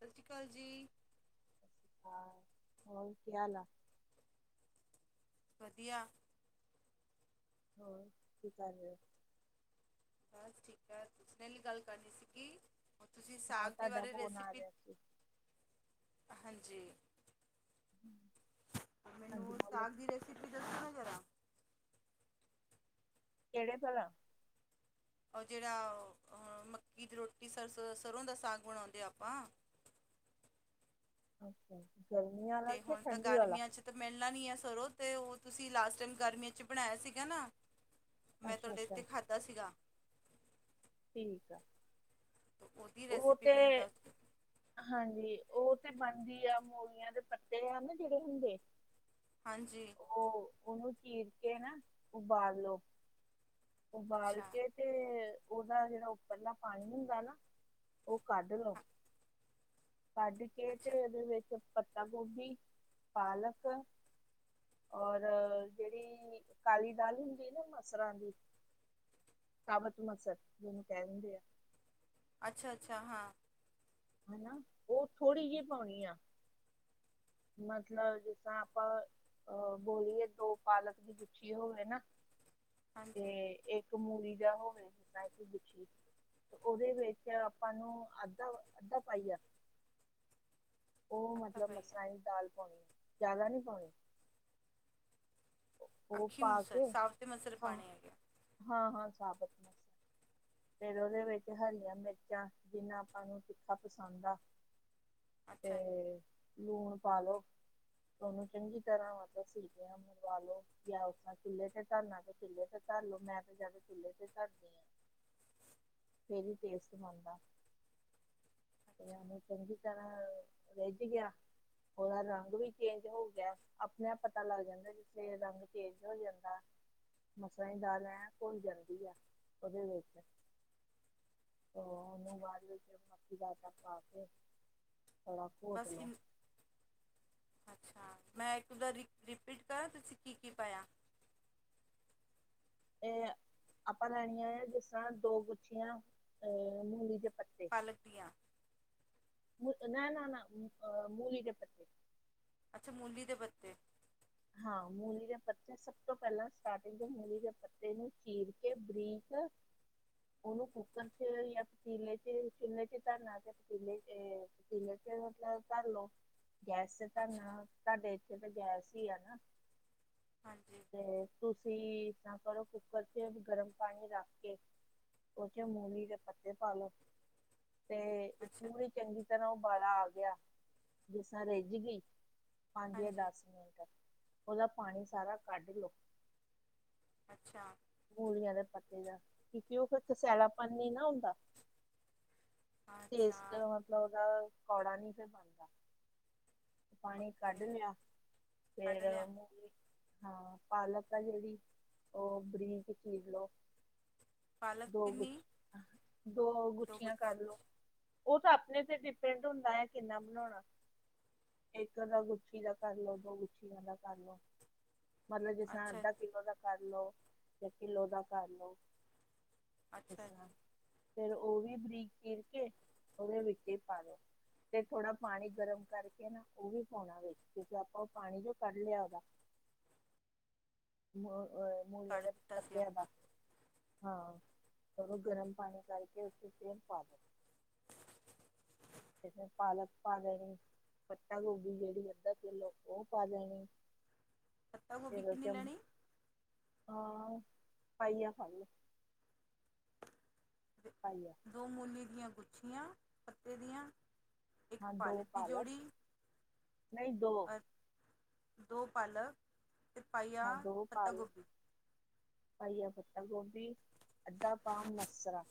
ਸਤਿ ਸ਼੍ਰੀ ਅਕਾਲ ਜੀ। ਹਾਂ ਹੋਰ ਕੀ ਹਾਲ ਆ। [unintelligible] ਵਧੀਆ। ਹਾਂ ਠੀਕ ਜ [unintelligible] ਬਸ ਠੀਕ ਹੈ। ਤੁਨੇ ਗੱਲ ਕਰਨੀ ਸੀਗੀ ਹ ਤੁਸੀਂ ਹਾਂ ਸਾਗ ਦੇ ਤੁਹਾਡਾ ਬਾਰੇ ਫੋਨ ਆ ਰੈਸਪੀ ਰਿਹਾ ਸੀ। ਹਾਂਜੀ, ਹਾਂਜੀ ਮੈਨੂੰ ਬੋਲੋ, ਸਾਗ ਦੀ ਰਸੀ ਕਿਹੜੇ ਭਲਾ ਔਰ ਜਿਹੜਾ ਮੱਕੀ ਦੀ ਰੋਟੀ ਸਰਸੋ ਸਰ੍ਹੋਂ ਦਾ ਸਾਗ ਬਣਾਉਂਦੇ ਆਪਾਂ। ਅੱਛਾ ਗਰਮੀਆਂ ਤੇ ਹੁਣ ਤਾਂ ਗਰਮੀਆਂ ਚ ਤਾਂ ਮਿਲਣਾ ਨਹੀਂ ਹੈ। ਸਰੋਂ ਅਤੇ ਉਹ ਤੁਸੀਂ ਲਾਸਟ ਟਾਈਮ ਗਰਮੀਆਂ 'ਚ ਬਣਾਇਆ ਸੀਗਾ ਨਾ ਮੈਂ ਅੱਛਾ ਤੁਹਾਡੇ ਅੱਛਾ, ਇੱਥੇ ਖਾਧਾ ਸੀਗਾ। ਠੀਕ ਆ, ਤੇ ਉਹਦੀ ਉਹ ਰੈਸਿਪੀ ਤੇ ਮੈਨੂੰ ਦੱਸ ਦਿਓ ਹਾਂਜੀ, ਉਹ ਤੇ ਬਣਦੀ ਆ ਮੂਲੀਆਂ ਦੇ ਪੱਤੇ ਆ ਨਾ ਜਿਹੜੇ ਹੁੰਦੇ। ਹਾਂਜੀ। ਉਹ ਉਹਨੂੰ ਚੀਰ ਕੇ ਨਾ ਉਬਾਲੋ ਉਬਾਲ ਅੱਛਾ ਕੇ [inaudible] ਉਹਦਾ ਜਿਹੜਾ ਉੱਪਰਲਾ ਪਾਣੀ ਹੁੰਦਾ, ਨਾ ਉਹ ਕੱਢ ਲਓ। ਹਾਂ, ਸਾਡੀ ਕੇ ਤੇ ਅੱਛਾ ਉਹਦੇ ਵਿੱਚ ਪੱਤਾ ਗੋਭੀ ਪਾਲਕ ਔਰ ਜਿਹੜੀ ਕਾਲੀ ਦਾਲ ਹੁੰਦੀ, ਨਾ ਮਸਰਾਂ ਦੀ ਕਾਬਤ ਮਸਰ ਜਿਹਨੂੰ ਕਹਿ ਦਿੰਦੇ ਆ। ਅੱਛਾ-ਅੱਛਾ ਹਾਂ। ਹਨਾ, ਉਹ ਥੋੜੀ ਜਿਹੀ ਪਾਉਣੀ ਆ। ਮਤਲਬ ਜਸਾ ਆਪਾਂ ਅਹ ਬੋਲੀਏ ਦੋ ਪਾਲਕ ਦੀ ਗੁੱਛੀ ਹੋਵੇ ਨਾ ਤੇ ਹਾਂਜੀ ਇੱਕ ਕਮੂਰੀ ਦਾ ਹੋਵੇ। ਉਹਦੇ ਵਿੱਚ ਆਪਾਂ ਨੂੰ ਅੱਧਾ ਅੱਧਾ ਪਾਈਆ ਉਹ ਅੱਛਾ ਮਤਲਬ ਭਾਈ ਮਸਲਾਂ ਦੀ ਦਾਲ ਪਾਉਣੀ। ਜ਼ਿਆਦਾ ਨਹੀਂ ਪਾਉਣੀ। ਉਹ ਅੱਖੀ ਪਾ ਮੁਸ ਕੇ ਸਾਬਤੇ ਮਸਲ ਹਾਂ ਪਾਉਣੇ ਹੈਗੇ ਆ। ਹਾਂ ਹਾਂ ਸਾਬਤ। [unintelligible] ਫਿਰ ਓਦੇ ਵਿੱਚ ਹਰੀਆਂ ਮਿਰਚਾਂ ਜਿੰਨਾ ਆਪਾਂ ਨੂੰ ਤਿੱਖਾ ਪਸੰਦ ਆ। ਤੇ ਅੱਛਾ ਜੀ ਲੂਣ ਪਾਂ ਲੋ ਤੇ ਓਨੂੰ ਚੰਗੀ ਤਰ੍ਹਾਂ ਮਤਲਬ ਸਿਟੀਆਂ ਦਵਾ ਲੋ, ਯਾ ਉਸ ਤਰਾਂ ਚੁੱਲੇ ਤੇ ਧਰਨਾ ਤੇ ਚੁੱਲੇ ਤੇ ਧਰ ਲੋ ਮੈਂ ਤੇ ਜਾਦਾ ਚੁੱਲੇ ਤੇ ਧਰਦੀ ਆਂ। ਫੇਰ ਵੀ ਟੇਸਟ ਬਨਦਾ। ਤੇ ਅੱਛਾ ਏਨੂੰ ਚੰਗੀ ਤਰਾਂ ਰੇਝ ਗੇਯਾ। ਓਦਾ ਰੰਗ ਵੀ ਚੇਂਜ ਹੋ ਗਿਆ। ਅਪਨੇ ਆਪ ਪਤਾ ਲੱਗ ਜਾਂਦਾ ਜਿੱਥੇ ਐ ਰੰਗ ਚੇਜ ਹੋ ਜਾਂਦਾ। ਮਸਰਾਂ ਦੀ ਦਾਲ ਐ ਘੁਲ ਜਾਂਦੀ ਆ ਓਦੇ ਵਿੱਚ। ਤੋਂ ਓਨੂੰ ਅੱਛਾ ਜੀ ਬਾਦ ਵਿੱਚ ਮੱਕੀ ਦਾ ਆਟਾ ਪਾ ਕੇ ਥੋੜਾ ਘੋਟ ਬਸ ਇ ਲੋ ਅੱਛਾ, ਮੈਂ ਇੱਕਦਾ ਰਿ ਰਿਪੀਟ ਕਰਾਂ ਤੁਸੀਂ ਕੀ ਕੀ ਪਾਇਆ? ਤੇ ਆਪਾਂ ਲੈਣੀਆਂ ਆ ਜਿਸ ਤਰ੍ਹਾਂ ਦੋ ਗੁੱਛੀਆਂ ਅਹ ਮੂਲੀ ਦੇ ਪਤ ਪਾਲਕ ਦੀਆਂ। ਨਾ, ਨਾ, ਨਾ, ਅ ਮੂਲੀ ਦੇ ਪੱਤੇ। ਅੱਛਾ ਮੂਲੀ ਦੇ ਪੱਤੇ। ਹਾਂ ਮੂਲੀ ਦੇ ਪੱਤੇ ਸਭ ਤੋਂ ਪਹਿਲਾਂ ਸਟਾਰਟਿੰਗ ਤੋਂ ਮੂਲੀ ਦੇ ਪੱਤੇ ਨੂੰ ਚੀਰ ਕੇ ਬਰੀਕ ਓਨੂੰ ਕੁੂੱਕਰ 'ਚ ਯਾ ਪਤੀਲੇ 'ਚ ਚੁਲੇ 'ਚ ਧਰਨਾ ਯਾ ਪਤੀਲੇ 'ਚ ਏ ਪਤੀਲੇ ਚ ਮਤਲਬ ਧਰ ਲੋ। ਗੈਸ ਤੇ ਅੱਛਾ ਧਰਨਾ ਤੁਹਾਡੇ ਇੱਥੇ ਤੇ ਗੈਸ ਈ ਆ ਨਾ। ਹਾਂਜੀ। ਤੇ ਤੁਸੀਂ ਇਸ ਤਰਾਂ ਕਰੋ ਕੁੱਕਰ'ਚ ਗਰਮ ਪਾਣੀ ਰੱਖ ਕੇ ਓ 'ਚ ਮੂਲੀ ਦੇ ਪੱਤੇ ਪਾਲੋ ਤੇ ਅੱਛਾ ਪੂਰੀ ਚੰਗੀ ਤਰਾਂ ਉਬਾਲਾ ਆ ਗਿਆ ਜਿਸ ਤਰਾਂ ਰਿੱਝ ਗਈ ਪੰਜ ਜਾਂ ਹਾਂਜੀ ਦਸ ਮਿੰਟ ਓਦਾ ਪਾਨੀ ਸਾਰਾ ਕੱਢ ਲੋ। ਅੱਛਾ। ਮੂਲੀਆਂ ਦੇ ਪੱਤੇ ਦਾ ਕਿਉਕਿ ਓ ਫਿਰ ਕਸੈਲਾਪਨ ਨੀ ਨਾ ਹੁੰਦਾ। ਅੱਛਾ ਟੇਸਟ ਮਤਲਬ ਓਦਾ ਕੌੜਾ ਨੀ ਫਿਰ ਬਨਦਾ। ਪਾਣੀ ਓਕੇ ਕੱਢ ਲਿਆ ਕੱਢ ਫੇਰ ਲਿਆ ਮੂਲੀ ਹਾਂ ਪਾਲਕ ਆ ਜੇੜੀ ਓ ਬਰੀਕ ਚੀਰ ਲੋ। ਪਾਲਕ ਦੋ ਗੁਛ ਕਿੰਨੀ ਦੋ ਦੋ ਗੁੱਛੀਆਂ ਗੁੱਛ ਕਰ ਲੋ। ਓ ਤਾਂ ਆਪਨੇ ਤੇ ਡਿਪੈਂਡ ਹੁੰਦਾ ਏ ਕਿੰਨਾ ਬਣਾਉਣਾ। ਇੱਕ ਅੱਧਾ ਗੁੱਛੀ ਦਾ ਕਰ ਲੋ, ਦੋ ਗੁੱਛੀਆਂ ਦਾ ਕਰ ਲੋ। ਮਤਲਬ ਜਿਸ ਤਰਾਂ ਅੱਛਾ ਅੱਧਾ ਜੀ ਕਿੱਲੋ ਦਾ ਕਰ ਲੋ। ਯਾ ਕਿਲੋ ਦਾ ਕਰ ਲੋ ਇਸ ਅੱਛਾ ਤਰਾਂ। ਜੀ ਫਿਰ ਓ ਵੀ ਬਰੀਕ ਚਿਰ ਕੇ ਓਦੇ ਵਿੱਚੇ ਈ ਪਾ ਲੋ। ਫੇਰ ਥੋੜਾ ਪਾਣੀ ਗਰਮ ਕਰਕੇ ਨਾ ਓ ਵੀ ਪਾਉਣਾ ਵਿੱਚ ਕਿਉਂਕਿ ਆਪਾਂ ਓ ਪਾਣੀ ਜੋ ਕੱਢ ਲਿਆ ਓਦਾ। ਮ ਅਹ ਮੂਲੀਆਂ ਕੱਢ ਦੇ ਦਿੱਤਾ ਸੀ ਪੱਤੇਆਂ ਆਪਾਂ ਦਾ। ਹਾਂ ਫੇਰ ਓ ਗਰਮ ਪਾਣੀ ਕਰਕੇ ਓਥੇ ਸੇਮ ਪਾ ਦੋ। ਜਿਵੇਂ ਪਾਲਕ ਪਾ ਲੈਣੀ ਪੱਤਾ ਗੋਭੀ ਜੇੜੀ ਅੱਧਾ ਕਿਲੋ ਓ ਪਾ ਲੈਣੀ। ਪੱਤਾ ਗੋਭੀ ਫੇਰ ਓ ਕਿੰਨੀ 'ਚ ਲੈਣੀ ਹਾਂ ਪਾਈਆ ਪਾਲਕ। ਦ ਪਾਈਆ। ਦੋ ਮੂਲੀ ਦੀਆਂ ਗੁੱਛੀਆਂ ਪੱਤੇ ਦੀਆਂ ਇੱਕ ਪਾਲਕ ਦੀ ਜੋੜੀ। ਨਈ ਦੋ ਅ ਦੋ ਪਾਲਕ ਹਾਂ ਬੋ ਪਾ ਲ ਪਾਈਆ ਪਤਾ ਗੋਭੀ ਅੱਧ ਪਾਮ ਮਸਰ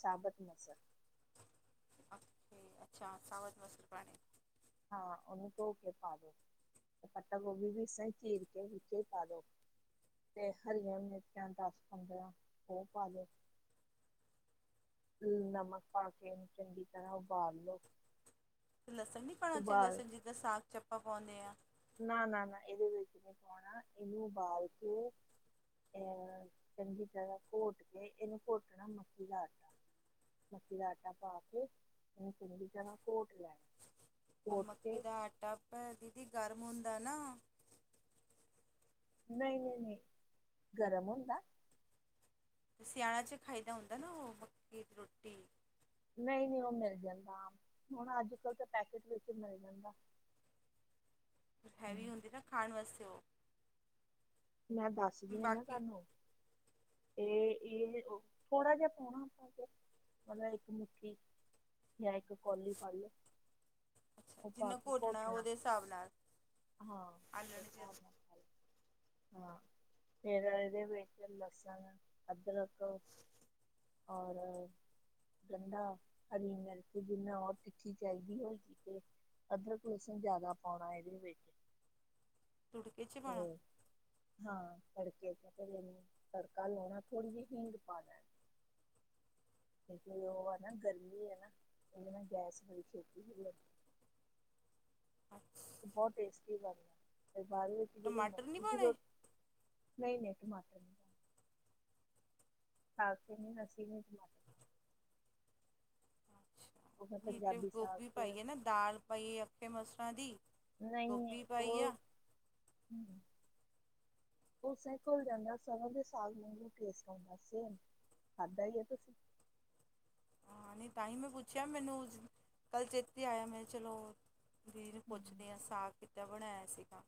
ਸਾਬਤ ਮਸਰ ਅੱਛਕੇ ਅੱਛਾ ਸਾਵਧ ਮਸੂਰ ਪਾਣੀ ਹਾਂ ਉਹਨੂੰ ਧੋ ਕੇ ਪਾ ਦਿਓ ਪਤਾਗੋਬੀ ਵੀ ਸਹਿਚੀਰਕੇ ਵਿਚੇ ਪਾਦੋਂ ਤੇ ਹਰੀਆਂ ਮਿਰਚਾਂ ਦਸ ਪੰਦਰਾਂ ਉਹ ਪਾ ਲਓ ਹਮ ਨਮਕ ਪਾ ਕੇ ਏਨੂੰ ਚੰਗੀ ਤਰ੍ਹਾਂ ਉਬਾਲੋ ਅਤੇ ਲਸਣ ਨਹੀਂ ਪਾਣਾ ਉੱਚੇ ਲਸਣ ਜਿੱਦਾਂ ਸਾਗ ਚੱਪਾ ਪਾਂਦੇ ਆ ਨਾ ਨਾ ਨਾ ਇਹਦੇ ਵਿੱਚ ਨੀ ਪਾਣਾ ਇਹਨੂੰ ਉਬਾਲ ਕੇ ਅਹ ਚੰਗੀ ਤਰ੍ਹਾਂ ਘੋਟ ਕੇ ਇਹਨੂੰ ਘੋਟਣਾ ਮੱਕੀ ਦਾ ਆਟਾ ਮੱਕੀ ਦਾ ਆਟਾ ਪਾ ਕੇ ਉਹਨੂੰ ਚੰਗੀ ਤਰਾ ਘੋਟ ਲੈ ਮੱਕੀ ਦਾ ਆਟਾ ਭੈ ਦੀਦੀ ਗਰਮ ਹੁੰਦਾ ਨਾ ਨਹੀਂ ਨਹੀਂ ਨਹੀਂ ਗਰਮ ਹੁੰਦਾ ਅਤੇ ਸਿਆਲਾ 'ਚ ਖਾਈਦਾ ਹੁੰਦਾ ਨਾ ਉਹ ਮੱਕੀ ਦੀ ਰੋਟੀ ਨਹੀਂ ਨਹੀਂ ਉਹ ਮਿਲ ਜਾਂਦਾ ਆਮ ਹੁਣ ਅੱਜ ਕਲ ਤਾਂ ਪੈਕੇਟ ਵਿੱਚ ਮਿਲ ਜਾਂਦਾ ਹੈਵੀ ਹਮ, ਹੁੰਦੀ ਨਾ ਖਾਣ ਵਾਸਤੇ ਉਹ ਮੈਂ ਦੱਸਦੀ ਹਾਂ ਨਾ ਬਾਕੀ ਤੁਹਾਨੂੰ ਤੇ ਇਹ ਥੋੜਾ ਜਿਹਾ ਪਾਉਣਾ ਆਪਾਂ ਫ ਮਤਲਬ ਇੱਕ ਮੁਠੀ ਜਾਂ ਇੱਕ ਕੋਲੀ ਫਾਈ ਅੱਛਾ ਜਿੰਨਾ ਘੋਟਣਾ ਉਹਦੇ ਹਿਸਾਬ ਨਾਲ ਹਾਂ ਆ ਉਹਦੇ ਲਣ ਜੇ ਹਿਸਾਬ ਨਾਲ ਪਾ ਹਾਂ ਫੇਰ ਇਹਦੇ ਵਿੱਚ ਲਸਣ ਅਦਰਕ ਔਰ ਗੰਡਾ ਹਰੀ ਮਿਰਚ ਜਿਨਾ ਉਹ ਤਿਖੀ ਚਾਈਦੀ ਹੋਏਗੀ ਤੇ ਅਦਰਕ ਲਸਨ ਨੂੰ ਜਿਆਦਾ ਪਾਉਣਾ ਇਹਦੇ ਵਿੱਚ ਤੁੜਕਕੇ ਚ ਪਾਣਾਂ ਤੇ ਹਾਂ ਤੜਕੇ ਚ ਫਿਰਨੂੰ ਤੜਕਾ ਲਾਉਣਾ ਥੋੜ੍ਹੀ ਜਿਹੀ ਹੀਂਗ ਪਾ ਲੈਣਾ ਉਹ ਹੈ ਨਾ, ਗਰਮੀ ਹੈ ਨਾ ਗੈਸ [unintelligible] [inaudible] ਬੋਤ ਟੇਸਟੀ [unintelligible] ਟਮਾਟਰ ਨਈ ਪਾਣੇ ਨਈ, ਨਈ ਟਮਾਟਰ ਨੀ ਐ ਖਾ ਕੇ ਨੀ ਨਸੀਏ ਉਹ ਫਿਰ ਵਿਚੇ ਪੰਜਾਬੀ ਸਾਗ ਗੋਭੀ ਤੇ ਪਾਈਏ ਨਾ, ਦਾਲ ਪਾਈਏ, ਅੱਖੇ ਮਸਰਾਂ ਦੀ ਨਹੀਂ ਗੋਭੀ ਪਾਈ ਉਹ ਆ [inaudible] ਉਸੇ ਘੁਲ ਜਾਂਦਾ ਸਰਿਓ ਦਾ ਸਾਗ ਨੂੰ ਟੇਸਟ ਆਂਦਾ ਸੀ। ਖਾਧਾ ਹੀ ਹੈ, ਤੁਸੀਂ ਆਨਈ ਤਾਂ ਹੀ ਮੈਂ ਪੁੱਛਿਆ ਮੈਨੂੰ, ਕੱਲ ਚੇਤੇ ਆਇਆ, ਮੈਂ ਚਲੋ ਦੀ ਨੂੰ ਹਮ, ਪੁੱਛਦੇਆਂ ਸਾਗ ਕਿੱਦਾਂ ਬਣਾਇਆਂ ਸੀਗਾ?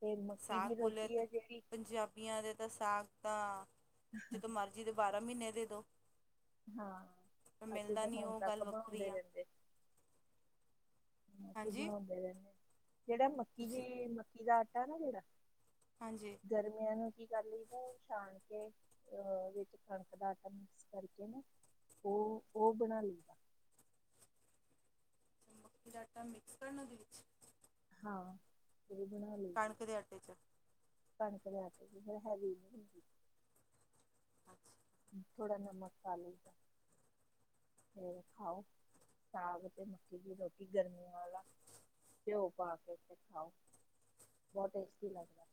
ਤੇ ਮੱਕੀ ਸਾਗ ਦੀ ਬੋਲਿਆਂ ਰੋਟੀ ਤੇ, ਹੈ ਜਿਹੜੀ ਪੰਜਾਬੀਆਂ ਦੇ ਤਾਂ ਸਾਗ ਦਾ, ਜਦੋਂ ਮਰਜ਼ੀ ਜੀਦੇ ਬਾਰਾਂ ਮੀਨੇ ਦੇ ਦੋ ਹਾਂ, ਪਰ ਅਸੀਂ ਮਿਲਦਾ ਤਾਂ ਨਹੀਂ ਹੁਣ ਉਹ ਗੱਲ ਤੱਕ ਵੱਖਰੀ ਬਣਾਉਂਦੇ ਆ ਰਹਿੰਦੇ ਅਸੀਂ ਹਾਂਜੀ ਬਣਾਉਂਦੇ ਰਹਿੰਦੇ, ਜੇੜਾ ਮੱਕੀ ਤੁਸੀਂ ਦੀ, ਮੱਕੀ ਦਾ ਆਟਾ ਨਾ ਜੇੜਾ ਹਾਂਜੀ। ਗਰਮੀਆਂ ਨੂੰ ਕੀ ਕਰ ਲਈ ਦਾ ਏ, ਛਾਨ ਕੇ, ਏ ਵਿੱਚ ਕਣਕ ਦਾ ਆਟਾ ਮਿਕਸ ਕਰ ਓਹ, ਓ ਬਨਾ ਲਈ ਫਿਰ ਆਟਾ ਮਿਕਸ ਕਰਨਾ ਉਦੇ ਵਿੱਚ ਹਾਂ ਬਣਾ [unintelligible] ਕਣਕ ਦੇ ਆਟੇ ਚ ਕਣਕ ਦੇ ਆਟੇ ਚ [unintelligible] ਨੀ ਹੁੰਦੀ ਅੱਛਾ ਥੋੜਾ ਨਮਕ ਪਾਲੋ ਫਿਰ ਖਾਓ, ਸਾਗ ਤੇ ਮੱਕੀ ਦੀ ਰੋਟੀ ਗਰਮੀਆਂ ਵਾਲਾ ਘਿਓ ਪਾ ਕੇ ਖਾਓ ਬਹੁਤ ਟੇਸ਼ਟੀ ਲਗਦਾ।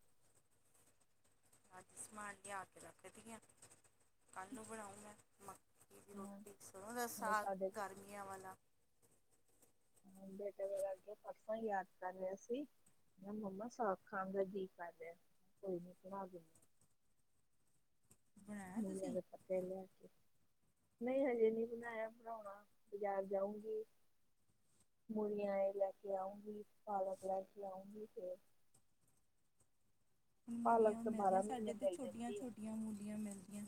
ਅੱਜ ਸਮਾਨ ਲਿਆ ਕੇ ਰੱਖਦੀ ਹ, ਕੱਲ ਬਣਾਓ ਮੈਂ ਮੱਕੀ ਦੀ ਹਾਂ ਰੋਟੀ ਸਰੋ ਦਾ ਮੇਰੇ ਸਾਗ, ਸਾਡੇ ਗਰਮੀਆਂ ਵਾਲਾ ਹ ਬੇਟੇ ਦਾ ਅਗੇ [unintelligible] ਯਾਦ ਕਰ ਰਿਹਾ ਸੀ। ਮੈਂ ਮੰਮਾ ਸਾਗ ਖਾਨ ਦਾ ਜੀ ਕਰ ਰਿਹਾ ਹੈ, ਕੋਈ ਨੀ [unintelligible] [inaudible] ਲਿਆ ਬਣਾਇਆ ਤੁਸੀਂ ਕੇ, ਨਹੀਂ ਹਲੇ ਨਈ ਬਣਾਇਆ ਬਣਾਉਣਾ ਬਾਜ਼ਾਰ ਜਾਊਗੀ ਮੁਲੀਆਂ ਐ ਲੈ ਕੇ ਆਉਂਗੀ, ਪਾਲਕ ਲੈ ਕੇ ਆਊਂਗੀ, ਫਿਰ ਪਾਲਕ ਮੂਲੀਆਂ ਤਾਂ ਮਿਲਦੀਆਂ ਬਾਰਾਂ ਮਹੀਨੇ ਸਾਡੇ ਤੇ ਮਿਲ ਛੋਟੀਆਂ, ਜਾਂਦੀ ਹੈ ਛੋਟੀਆਂ ਮੂਲੀਆਂ ਮਿਲਦੀਆਂ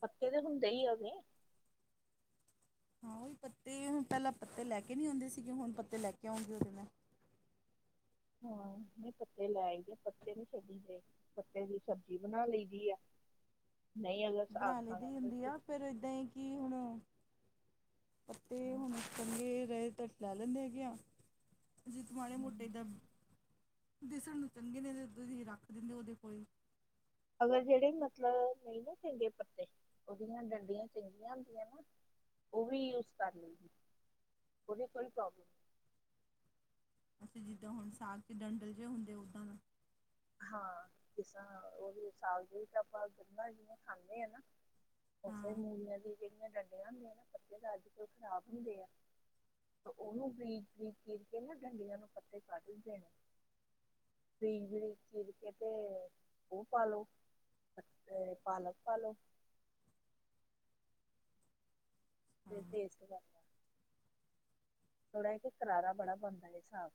ਪੱਕੇ, ਤਾਂ ਹੁੰਦੇ ਈ ਅਵੇ ਹਾਂ ਪੱਤੇ, ਹੁਣ ਪਹਿਲਾਂ ਪੱਤੇ ਲੈ ਕੇ ਨਈ ਆਉਂਦੇ ਸੀਗੇ ਹੁਣ ਪੱਤੇ ਲੈ ਕੇ ਆਉਂਗੇ ਓਦੇ ਹਾਂ, ਮੇ ਪੱਤੇ ਲੈਈ ਪੱਤੇ ਨੇ ਛੱਡੀ ਦੇ ਪੱਤੇ ਦੀ ਸਬਜ਼ੀ ਬਣਾ ਲਈ ਦੀ ਏ, ਨਈ ਅਗਰ ਸਾਗ ਬਣਾ ਲਈਦੀ ਖਾਣਾ ਤੇ ਹੁੰਦੀ ਆ ਫਿਰ ਏਦਾਂ ਹੀ ਕਿ ਹੁਣਾ, ਪੱਤੇ ਹੁਣ ਚੰਗੇ ਰਹੇ ਤ ਲੈ ਲੈਂਦੇ ਹੈਗੇ ਆ, ਅਸੀ ਮਾੜੇ ਮੋਟੇ ਏਦਾਂ ਦਿਸਣ ਨੂੰ ਚੰਗੇ ਨੇ ਤੁਸੀਂ ਰੱਖ ਦਿੰਦੇ ਓਦੇ ਕੋਲ ਅਗਰ ਜਿਹੜੇ ਮਤਲਬ ਨਹੀਂ ਨਾ ਚੰਗੇ ਪੱਤੇ, ਉਹਦੀਆਂ ਡੰਡੀਆਂ ਚੰਗੀਆਂ ਹੁੰਦੀਆਂ ਨਾ ਓ ਵੀ ਯੂਜ ਕਰ ਲੈਂ, ਓਦੀ ਕੋਈ ਪ੍ਰੌਬਲਮ ਅਸੀਂ ਜਿੱਦਾਂ ਹੁਣ ਸਾਗ ਚ ਡੰਡਲ ਜਿਹੇ ਹੁੰਦੇ ਓਦਾਂ ਦਾ ਹਾਂ ਉਹ ਸਾਗ [unintelligible] ਖਾਂਦੇ ਹ ਨਾ ਉਸੇ ਹਾਂ ਮੂਲੀਆਂ ਦੀ ਜਿਹੜੀਆਂ ਡੰਡੀਆਂ ਹੁੰਦੀਆਂ ਨਾ ਪੱਤੇ ਤਾਂ ਅੱਜ ਕਲ ਖ਼ਰਾਬ ਹੁੰਦੇ ਆ ਉਹਨੂੰ ਬਰੀਕ, ਬਰੀਕ ਕਰ ਕੇ ਨਾ ਡੰਡੀਆਂ ਨੂੰ ਪੱਤੇ ਕੱਢਦੇ ਨੇ [unintelligible] ਚੀਰ ਕੇ ਤੇ ਓ, ਪਾਲੋ ਪਾਲਕ ਪਾਲੋ [unintelligible] ਥੋੜਾ ਕਿ ਖਲਾਰਾ ਬੜਾ ਪੈਂਦਾ ਐ ਹਿਸਾਬ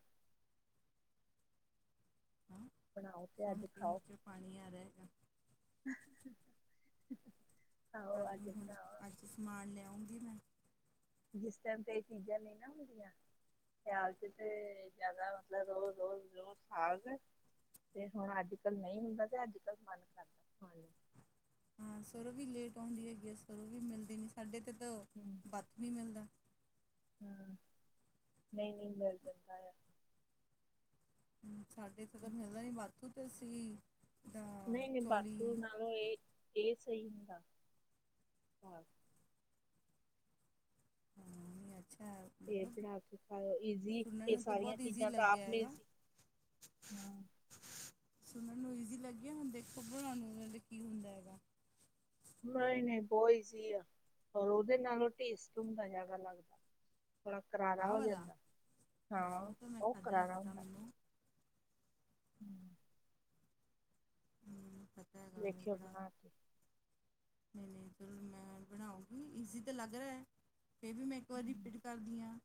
ਹਾਂ ਬਣਾਓ ਤੇ ਸੁਣ ਅਜ ਕੇ ਖਾਓ ਮੂੰਹ ਚ ਪਾਣੀ ਆ ਰਿਹਾ ਹੈਗਾ ਆਹੋ ਆਜ ਬਨਾਓ ਅੱਛਾ ਸਮਾਨ ਲਿਆਉਂਗੀ ਮੈਂ ਜਿਸ ਟਾਈਮ ਤੇ ਇਹ ਚੀਜ਼ਾਂ ਨਹੀਂ ਨਾ ਹੁੰਦੀਆਂ ਪਿਆਲ ਚ ਤੇ ਜਿਆਦਾ ਮਤਲਬ ਰੋਜ਼ ਰੋਜ਼ ਰੋਜ਼ ਸਾਗ ਤੇ ਹੁਣ ਅੱਜ ਕਲ ਨਹੀਂ ਹੁੰਦਾ ਤੇ ਅੱਜ ਕਲ ਮਨ ਕਰਦਾ ਹਾਂ ਸਰੋਂ ਵੀ ਲੇਟ ਆਉਂਦੀ ਹੈਗੀ ਆ ਸਰੋਂ ਵੀ ਮਿਲਦੀ ਨਹੀਂ ਸਾਡੇ ਤੇ ਤਾਂ ਬਾਥੂ ਵੀ ਮਿਲਦਾ ਹੂੰ ਨਹੀਂ ਨਹੀਂ ਮਿਲ ਜਾਂਦਾ ਆ ਹ ਸਾਡੇ ਤੇ ਤਾਂ ਮਿਲਦਾ ਨੀ ਬਾਥੂ ਤੇ ਅਸੀ ਨਹੀਂ ਨਹੀਂ ਬਾਥੂ ਨਾਲੋਂ ਇਹ ਇਹ ਸਹੀ ਹੁੰਦਾ ਹਾਂ ਅੱਛਾ ਫੇਰ ਮਤਲਬ ਬਣਾ ਕੇ ਖਾਓ। ਈਜ਼ੀ, ਸੁਣਨ ਏਹ ਨੂੰ ਤਾਂ ਸਾਰੀਆਂ ਬਹੁਤ ਈਜ਼ੀ ਚੀਜਾਂ ਤਾਂ ਲੱਗਿਆ ਆਪ ਨੇ ਹੈਗਾ ਸਿਖ ਸੁਣਨ ਨੂੰ ਈਜ਼ੀ ਲੱਗਿਆ, ਹੁਣ ਦੇਖੋ ਬਣਾਂਦੇ ਹਾਂ ਤੇ ਨੂੰਨਾਂ ਕੀ ਹੁੰਦਾ ਹੈਗਾ ਨਈ ਨਈ ਬਹੋ ਇਜ਼ੀ ਆ ਹੋਰ ਓਹਦੇ ਨਾਲੋਂ ਟੇਸਟੇ ਹੁੰਦਾ ਜਿਆਦਾ ਲੱਗਦਾ। ਥੋੜਾ ਕਰਾਰਾ ਆਹ ਹੋ ਵਾਲਾ ਜਾਂਦਾ। ਹਾਂ, ਉਹ ਤਾਂ ਮੈਂ ਬਹੋਤ ਖਾਧਾ ਹੈ ਕਰਾਰਾ ਪਤਾ ਹੁੰਦਾ। ਮੈਨੂੰ [inaudible] ਹੂੰ, ਪਤੈ। ਵੇਖਿਆ ਬਣਾ ਕੇ ਨਈ-ਨਈ, ਚਲ ਮੈਂ ਬਣਾਉਂਗੀ, ਇਜ਼ੀ ਤੇ ਲੱਗ ਰਿਐ। ਫੇਰ ਵੀ ਮੈਂ ਇੱਕ ਵਾਰੀ ਹੂੰ ਰਿਪੀਟ ਕਰਦੀ ਆਂ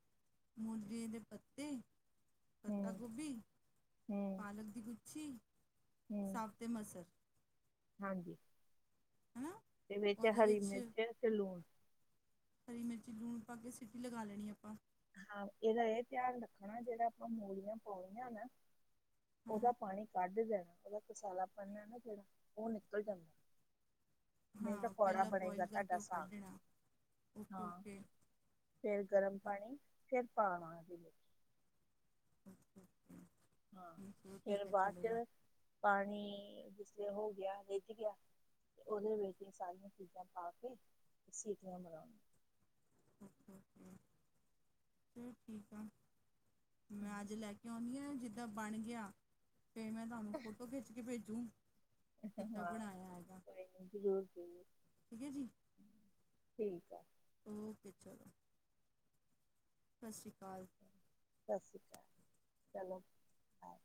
ਮੁਰਗੀ ਦੇ ਪੱਤੇ ਪੱਤਾ ਹੂੰ ਗੋਭੀ, ਪਾਲਕ ਦੀ ਗੁੱਛੀ, ਹੂੰ ਸਾਗ ਤੇ ਮਸਰ। ਹਾਂਜੀ ਹੈਨਾ? ਇਦੇ ਵਿੱਚ ਹੈ-ਹਰੀ ਮਿਰਚ ਤੇ ਲੂਨ ਹਰੀ ਮਿਰਚੀ ਲੂਨ ਪਾ ਕੇ ਸਿਟੀ ਲਗਾ ਲੈਣੀ, ਆਪਾਂ। ਹਾਂ ਏਹਦਾ ਏਹ ਧਿਆਨ ਰੱਖਣਾ ਜਿਹੜਾ ਆਪਾਂ ਮੂਲੀਆਂ ਪੋਣੀਆਂ ਨਾ ਹਾਂ ਓਹਦਾ ਪਾਣੀ ਕੱਢ ਦੇਣਾ ਓਹਦਾ ਕਸਾਲਾ ਪਣ ਹੈ ਨਾ ਜੇਹੜਾ ਓਹ ਨਿਕਲ ਜਾਂਦਾ। ਨਹੀਂ ਤਾਂ ਹਾਂ ਕੋੜਾ ਪਹਿਲਾਂ ਬਣੇਗਾ ਬੋਇਲ ਕਰਕੇ ਤਾਡਾ ਉਹ ਕੱਢ ਸਾਗ ਦੇਣਾ ਓਕੇ ਓਕੇ ਫੇਰ ਗਰਮ ਪਾਣੀ ਫੇਰ ਪਾਣਾ ਓਹਦੇ ਵਿੱਚ [unintelligible] ਹਾਂ ਚਲੋ ਫੇਰ ਠੀਕ ਆ ਬਾਦ ਚਲੇਗਾ ਚ ਪਾਣੀ ਜਿਸਲੇ ਹੋ ਗਿਆ ਰਿੱਝ ਗਿਆ ਓਹਦੇ ਵਿੱਚ ਏਹ ਸਾਰੀਆਂ ਚੀਜਾਂ ਪਾ ਕੇ ਸੀਟੀਆਂ ਮਰਾਣੀਆਂ ਚਲ ਠੀਕ ਆ, ਮੈਂ ਅੱਜ ਮਰਾਉਣੀਆਂ ਲੈ ਕੇ ਆਉਣੀ ਹਾਂ ਜਿੱਦਾਂ ਬਣ ਗਿਆ ਫੇਰ ਮੈਂ ਤੁਹਾਨੂੰ ਫੋਟੋ ਖਿੱਚ ਕੇ ਭੇਜਿਆ?? ਹਾਂ ਕੋਈ ਨਾ ਜ਼ਰੂਰ ਜ਼ਰੂਰ ਠੀਕ ਹੈ ਜੀ ਠੀਕ ਐ ਓਕੇ, ਚਲੋ। ਸਤਿ ਸ਼੍ਰੀ ਕਾਲ ਸਤਿ ਸ਼੍ਰੀ ਅਕਾਲ, ਚਲੋ, ਬਾਯ